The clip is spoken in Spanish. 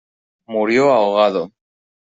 Murió ahogado.